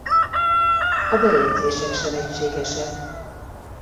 A bejegyzések sem egységesek.